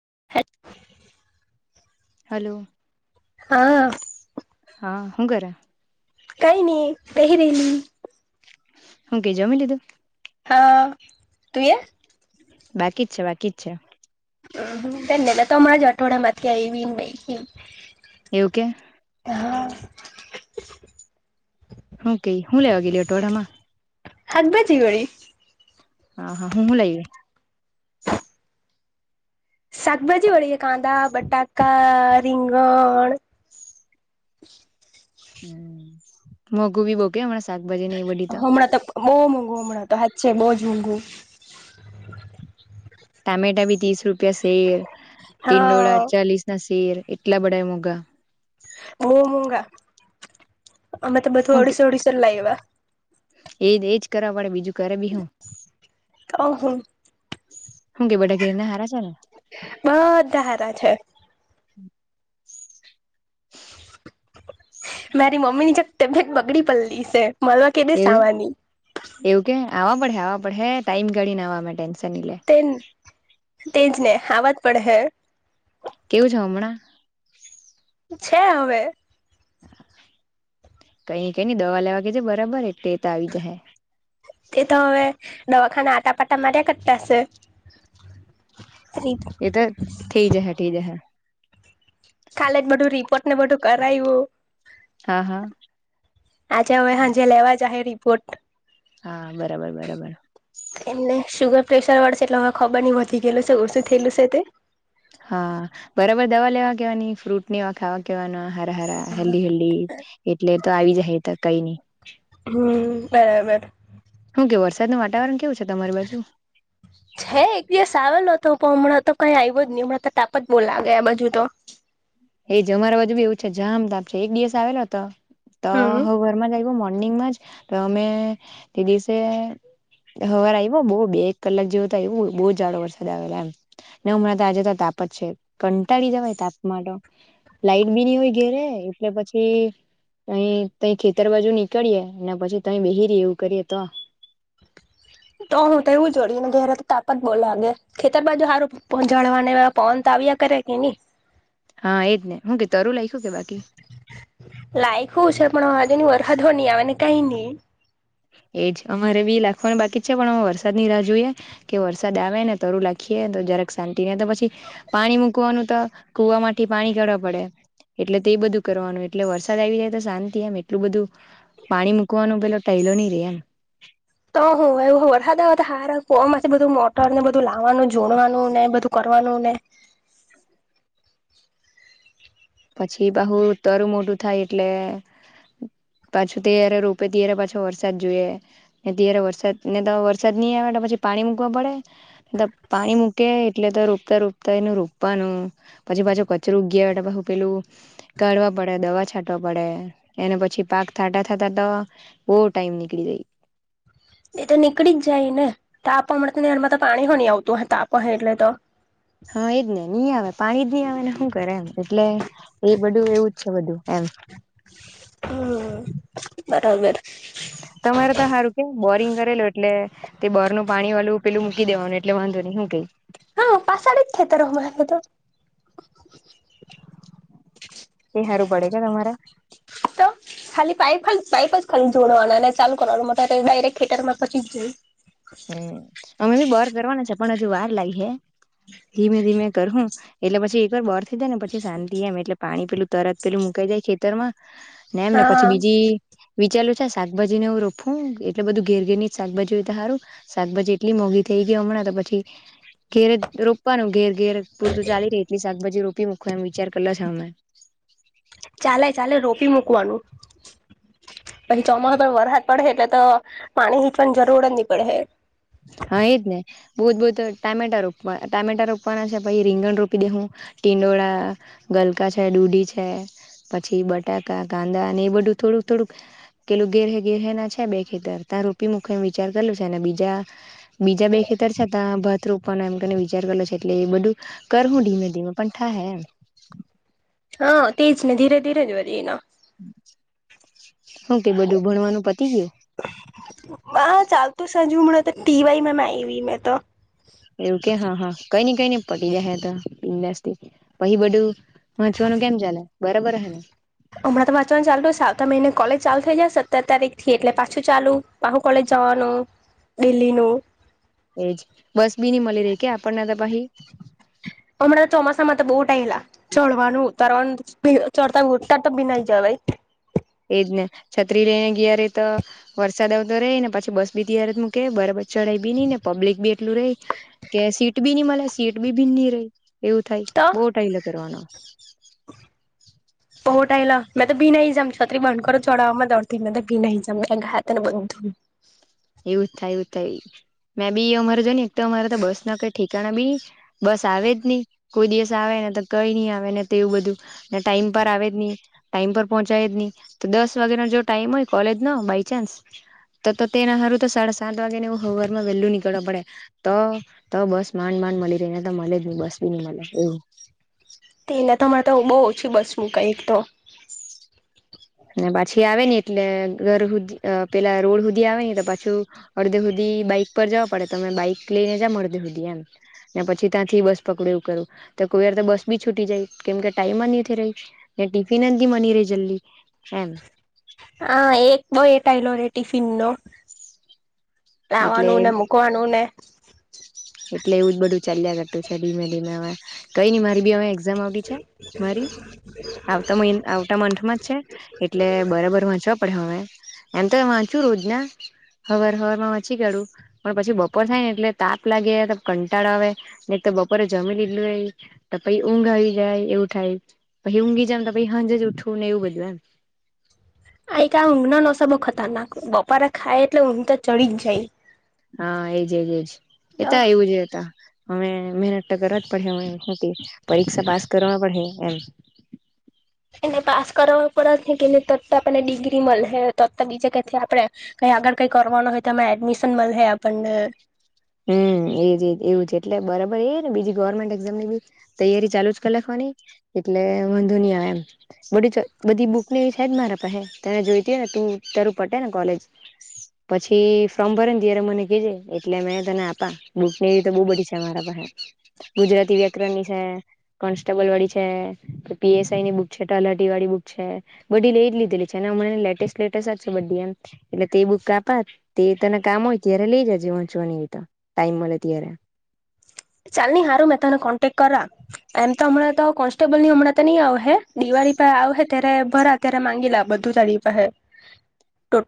[inaudible] Hello. હા. હા હું કરે? કઈ નઈ બેહી રેયલી. હું કે જમી લીધું. હા તુંએ? બાકી જ છે બાકી જ છે. હમ્મ [unintelligible] તો માંજ અઠોડામાંથી આયવી ને ભાઈ એવું કે હું કેઈ હું લેવા ગેલી અઠવાડામાં? હાક ભાજી વરી હા હા હું હું લાયવી. શાકભાજી વળી કાંદા, બટાકા, રીંગણ. [inaudible] હમ મોગું બી બો કે માસ હમણાં તો બહુ મોંઘું હમણાં તો હાચે બોજ મોંઘું ટમેટા બી ત્રીસ રૂપિયા છે હા ટિંડોળા ચાલીસના સ શેર એટલા બધા મોગા- બઉ મોગા અમે તો બધું હું એડિસો એડિસો લાયવા. એજ એજ કરવા પડે બીજું કરે બી હું. તો હું હું કે બધા ઘેરના હારા સે ને બધા હારા છે. મારી મમ્મી ની જક તબિયત બગડી પલ્લી છે. મળવા કે દિવસ એવું આવાની એવું કે આવા પડે આવા પડહે ટાઈમ કાઢીને આવા મેં ટેન્શન ની લે તેન તેજ ને આવાજ પડહે. કેવું છે હમણાં છે હવે કઈ કઈની દવા લેવા કે જે બરાબર એટે તો આવી જાહે. એ તો હવે દવાખાના આટાપાટા માર્યા કરતા છે. એ તો થઈ જાહે થઈ જાહે. કાલે જ બધું રિપોર્ટને બધું કરાયવું. હા આજે હવે સાંજે લેવા જહે રિપોર્ટ હા બરાબર બરાબર એમને શુગર પ્રેશર વાળે છે એટલે હવે ખબર નઈ વધી ગેલું છે ઓસુ થેલું છે તે હા બરાબર દવા લેવા કેવાની ફ્રૂટ નેવા ખાવા કેવાના રા હેલી હેલી એટલે તો આવી જાય તો કઈ નહી. હમ, બરાબર. હું કે વરસાદનું વાતાવરણ- કેવું છે તમારી બાજુ છે એક દિવસ આવેલો. તો હમણાં તો કઈ આઇવો જ નહી હમણાં તો તાપ જ બો લાગે આ બજુ તો. એ જમારા બાજુ બી એવું છે જામ તામ છે એક દિવસ આવેલો હતો તો હમ હવારમાં જ આઇવો મોર્નિંગમાં જ તો અમે તે દિવસે હવે આઇવો બઉ બે એક કલાક જેવું તો આઇવું બહુ જાડો વરસાદ આવેલો એમને હમણાં તો આજે તો પછી કંટાળી જવાય તાપમા તો. લાઈટ બી ની હોય ઘેરે એટલે પછી અહી તઈ ખેતર બાજુ નીકળીએે અને પછી તહી બેહી રહીએ એવું કરીએ તો [inaudible] તો હું તો એવું જોડીએ ને જ તાપ જ બો લાગે ખેતર બાજુ હારુ ઝાડવા ને પવન આવ્યા કરે કે ની. હા એજ ને હું કે તારું લઈગ્યુ કે બાકી. [unintelligible] એજ અમારે બી લખવાનું બાકી છે પણ અ વરસાદની રાહ જોઈએ કે વરસાદ આવે ને તરું લખી એ તો જરાક શાંતિ ને તો પછી પાણી મૂકવાનું તો કુવામાં થી પાણી કરવા પડે. એટલે તે બધું કરવાનું એટલે વરસાદ આઈવી જાય તો શાંતિ એમ એટલું બધું પાણી મૂકવાનું પેલો તૈલો નઈ રે એમ. તો હું વરહુ વરસાદ આવે તો હાર કુવામાં બધું મોટર ને બધું લાવવાનું જોડવાનું ને બધું કર વનું ને. [inaudible] પછી પાહું તરું મોટું થાય એટલે પાછું ત્યારે રુપે ત્યારે પાછો વરસાદ જોઈએ ને ત્યારે વરસાદ ને તો વરસાદ ની આવે તો પછી પાણી મૂકવા પડે પાણી મૂકે એટલે તો રોપતા રોપતા એને રોપવાનું પછી પાછો કચરો ઉગયા એતે પાહું પેલું કાઢવા પડે દવા છાંટવા પડે એને પછી પાક થાટા થાતા તો બો ટાઈમ નીકળી જાઈ. એ તો નીકળી જ જાય ને. તાપ હમણે તો નહેરમા પાણી હો ની આવતું હોય તાપ હોય એટલે તો. હા એજ ને ની આવે પાની જ નહી આવે ને હું કરે એમ એટલે એ બધું એવું જ છે બધું. એમ હમ્મ બરાબર. તમારે તો હારુ કે બોરિંગ કરેલું એટલે તે બોરનું પાણી વાળું પેલું મૂકી દેવાનું એટલે વાંધો નહી હું કે. હા પાછડી જ છે. [unintelligible] એ હારુ પડે કે તમારે. તો ખાલી પાઇપ જ પાઇપ જ ખાલી જોડવાના અને ચાલુ કરવાનું મોટર તે ડાયરેક્ટ ખેતરમાં પોચી જ જાય. હમ્મ અમે બી બોર કરવાના છે. પણ હજુ વાર લાગી હે ધીમે-ધીમે કરહું એટલે પછી એક વાર બોર મૂકી ડેને પછી શાંતિ એમ એટલે પાણી પેલું તરત પેલું મુકાઈ જાય ખેતરમાં. ને એમ ને પછી હા બીજી વિચારલું છે શાકભાજી ને હું રોપું એટલે બધું ઘેર-ઘેર ની જ શાકભાજી હોય તો હારુ. શાકભાજી એટલી મોંઘી થઇ ગઈ હમણાં તો પછી ઘેરે રોપવાનું ઘેર ઘેર પૂરતું ચાલી રે એટલી શાકભાજી રોપ પી મુખો એમ વિચાર કરેલો છે અમે. ચાલે ચાલે રોપી મૂકવાનું. પછી ચોમાસું પણ વરહાદ પડે હે એટલે તો પાણી હીંચવાની જરૂર જ ની પડે હે. [inaudible] હા એ જ ને. બોજ બોજ તો ટામેટા રોપવા ટામેટા રોપવાના છે પહી રીંગણ રોપી દેહું ટીંડો ડોળા, ગલકા છે, દૂધી છે પછી બટાકા, કાંદા ને એ બધું થોડુંક થોડુંક કેેલું ઘેર હે ઘેર હે ના છે બે ખેતર તાં રોપી મુકા એવું વિચાર કરેલું છે ને બીજા બીજા બે ખેતર છે. તા ભાત રૂપવાનો એમ કરીને વિચાર કરલો છે એટલે એ બધું કર હું ધીમે ધીમે પણ થાય. એમ. હા તેજ ને ધીરે-ધીરે વરી એના શું કે બધું ભણવાનું પતી ગયું. હા ચાલતું છે હજુ હમણાં તો ટી. વાઈ મેં આઈવી મેં તો. એવુ કે. કે હા હા કઈ ને કઈ ને પટી જાય તો બિન્દાસથી પહી બધું વાંચવાનું કેમ ચાલે. બરાબર હ ને. હમણાં વાંચવાનું ચાલતું છે આવતા મહિને કોલેજ ચાલુ થઇ જાય સત્તર તારીખથી એટલે પાછું ચાલુુંપાહુ કોલેજ જાવાનું ડેલીનું. એજ બસ બી ન મલી રે કે આપણને તો પાહી. હમણાં તો ચોમાસામાં તો બહુ ટાઈલા ચડવાનું ઉતારવાનું ભી ચડતા ઉતરતા તો ભીનાઈ જવાય. [inaudible] એજ ને છત્રી લઈને ને ગયા રેય તો વરસાદ આવતો રહી ને પછી બસ બી ત્યારે જ મૂકે બરાબર ચઢાઈ બી ન ને પબ્લિક બી એટલું રહે કે સીટ બી નહી મળે સીટ બી ભીની રહે. એવું થાય તો બો ટાઈલા કરવારના. બો ટાઈલા મે તો ભીનાઈ જામ છત્રી બન કરુ ચડાવ માં અડધી મે તો ભીનાઈ જામ [unintelligible] ને બધુ. એવું થાય એવું થાય. મેં બી અમાર જો ને એક તો અમારે તો બસ ના કઈ ઠેકાણા બી, બસ આવે જ નહી કોઈ દિવસ આવે. કઈ નહી આવે ને એવું બધું, ને ટાઈમ પર આવે જ નહી, ટાઈમ પર પહોંચાયે જ નહી તો દસ વા અગર આજે ટાઈમ હોય કોલેજનો બાય ચાન્સ, તો તો તેના હારું તો સાડા સાત વાગે ને હર માં વહેલું નીકળવા પડે, તો બસ માંડ ડ મળી રહે. અ તો મ જ બસવી ન મ એવું. તે એને તમારે તો બહુ ઓછી બસ મ કઈક તો. અને પાછી આવે નને એટલે ઘર સુધી પેલા રોડ સુધી આવે તો પાછું. અડધે હદી બાઈક ઉપર જવા પડે તમે બાઈક લઈને જ મળ દ સુધી એમ, ને પછી ત્યાંથી બસ પકડું એવું કરવું, તો કોઈર બસ બી છૂટી જાય કેમ કે ટાઈમ જ નથી રહી, ને ટીફિન માની રહી જલ્દી. હા. હા એક બ એટાઈલો ટિફિન નો. એટલે લાવાનું ને મુકવાનું ને. એટલે એવું જ બધું ચાલ્યા કરતું છે ધીમે ધીમે અવે. કઈ નઈ મારી બી હવે એક્ઝામ આવડી છે મારી. આવતા આવતા મંથમાં જ છે, એટલે બરાબર વાંચવા પડે હવે. એમ તો વાંચુ રોજના, હર હરમાં પછી કાડુ પણ પછી બપોર થાય ને એટલે તાપ લાગી કંટાળ આવે, ને તો બપોરે જમી લીધલું તો પી ઊંઘ આવી જાય એવું થાય પછી ઊંઘી જાયમ, તો પછી હંજ જ ઉઠું ને એવું બધું એમ. [inaudible] ના બપાર ખાય એટલે હ તો ચડી જ જાય. હા એજજ એજ તો એતા એવું છેતા. અવે મહેનત તો કરવા જ પડે, પરીક્ષા પાસ કરવા પડે. એમ. એને પાસ કર પડ કે તરત આપણને ડિગ્રી મળે તરત બીજા કથી આપડે. આગળ કઈ કરવાનું હોય તો એડમિશન મળે આપણને. હમ એજજ એવું જ એટલે બરાબર એ ને બીજી ગવર્મેન્ટ એક્ઝામ ની બી તૈયારી, ચાલુ જ લખવાની. એટલે વાંધો ની આવે એમ, બધી બધી બુક ને એવી છે મારા પાહે તને જોઈતી ને તું તારું પટે ને કોલેજ, પછી ફોર્મ ભરે ને ત્યારે મને કેજે એટલે મે તને આપા બુક ને એવી તો બો બધી છે મારા પાહે, ગુજરાતી વ્યાકરણ ની છે, કોન્સ્ટેબલ છે, પી એસ આઈની બુક છે તલાટી વાડી બુક છે, બધી લેય જ લીધેલી છે ને અમણે ની લેટે લેટેસ્ટ જ બધી એમ, એટલે તે બુક આપા, તે તને કામ હોય ત્યારે લઈ જજે વંચવાની. ટાઈમ મળે ત્યારે. ચાલ ની હારું મે તારો કોન્ટેક્ટ કરા, એમ તો હમણાં તો કોન્સ્ટેબલ ની હમણાં તો ની આવ હે દિવાળ પર આવ હે ત્યારે ભરા ત્યારે માંગી લેવા બધું તારી પાહે.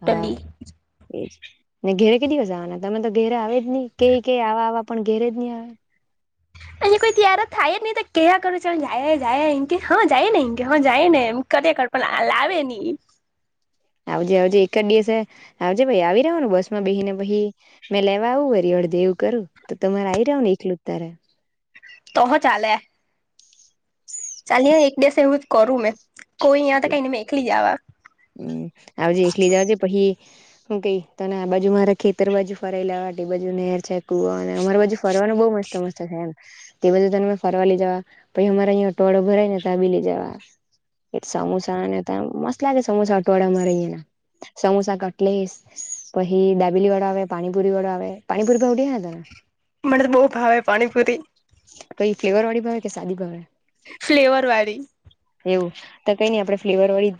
હા એજ, ને ઘેરે કે દિવસ આવવાના તમે તો ઘેરે આવે જ ની કેય કેય આવા આવા પણ ઘેરે જ ની આવે. અહીંયા કોઈ તીયાર થાય જ ની તો કેયા કરું ચાલ જાયે જાયે હા જાયે ને ઇં હા જાયે ને. ખરેખર પણ લાવે ની. [inaudible] આવજે આવજે એક જ દિવસે, આવજે ભઈ આવી રેવાનું ન બસ માં બેહી ને પહિ, મે લેવા આવું વરી અડધે એવું. કરું તો તમારે આઈ રેવાનું ને એકલું જ તારે. તો હો ચાલે, ચાલની એક દિવ એવું જ કરું મેં. કોઈ ની આવે તો કાય ની મેં એખલીજ આવા. હમ આવજે એકલી જ આવજે પછી હું કેઈ તને આ બાજુ મારે ખેતર બાજુ ફરાઈ લેવા તે બાજુ નેર છે કુવો અને અમાર બાજુ ફ રવાનું બહ મસ્ત મસ્ત છે એમ, તે બધું તમે ફરવા લે જવા, પહિ અમારા અયા અટવાળો ભરાય ને તા બી લે જવા. એ સમોસાને ત મસ્ત લાગે સમોસા અટવાડા માં મારે અહીંના. સમોસા કટલેસ, પહિ દાબીલી વાળો આવે પાણીપુરી વાળો આવે પાણીપુરી ભાવતી અહે ને તને? મને તો બો ભાવે પાણીપુરી. કઈ ફ્લેવર વાળી ભાવે કે સાદી ભાવે ફ્લેવર વાળી. એવું તો કઈ નઈ આપડે ફ્લેવર વાળી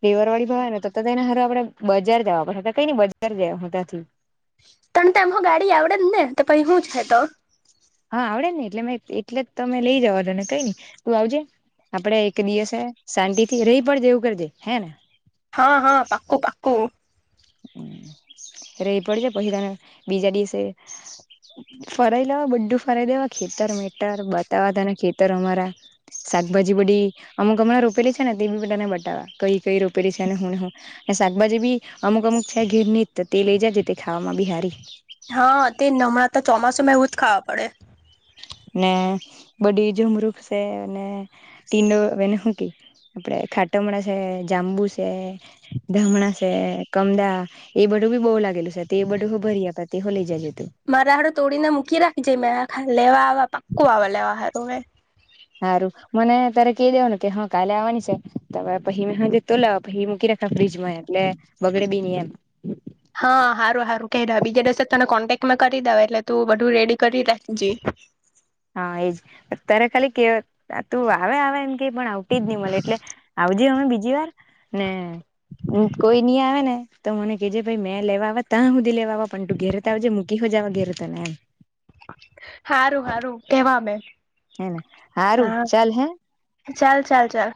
ફ્લેવર વાડી ભાવે તો તેના હારું આપડે બજાર જવા પડહે કઈની બજાર જય આવહું તાથી તને તો એમ હો ગાડી આવડે જ ને તો પહિ હું છે તો હા આવડે ને એટલે મે એટલે જ તો મે લઈ જવા ને કઈ નઈ તું આવજે આપડે એક દિવસે શાંતિ થી રેય પડજે એવું કરજે હે ને. હા હા પાકું પાકું [inaudible] રેય પડજે પહિ તને બીજા દિવસે ફરાઈ લેવા બધું ફરાઈ દેવા ખેતર મેટર બતાવા તને ખેતર અમારા શાકભાજી બધી અમુક હમણાં રોપેલી છે ને તે બી બધાને બતાવવા કઈ કઈ રોપેલી છે અને હું ને હું શાકભાજી બી અમુક અમુક છે ઘેર ની જ તે લઇ જાજે તે ખાવામાં બી હારી હા તે હમણાંતા ચોમાસુમાં એવું જ ખાવા પડે. ને બધી જમરૂખ સે ને ટીંડો એને હું કેય આપડે ખાટમણા છે જાંબુ છે ધામણા છે કમદા એ બધું બી બો લાગેલું સે તે બધું હો ભરી આપા તે હો લઈ જાજે મારા હારું તોડીને મૂકી રાખી જ મેં લેવા આવા પાકું આવા લેવા હારું મેં હારું મને તારે કેય દેવાનું કે હા કાલે આવવાની સે તો મેં પહી હાંજે જ તોડ લેવા પહી મૂકી રાખા ફ્રીજ એમ એટલે બગડે બી ની એમ હા હારું હારું કેય દેવા બીજા દિવસે તને કોન્ટેક્ટ મેં કરી દેવા એટલે તું બધું રેડી કરી રાખજે. હા એજ તારે ખાલી કે તું આવે આવે એમ કે પણ આવતી જ ની મળે એટલે આવજે અમે બીજી વાર ને હું કોઈ ની આવે ને તો મને કેજે ભાઈ મેં લેવા તા હુંધી લેવા પણ તું ઘેરેતો આવજે મૂકી હો જાવા ઘેરે તને એમ. હારું હારું કેવા મે. હેને હારું ચાલ હે. ચાલ ચાલ ચાલ.